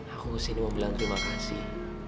aku kesini mau bilang terima kasih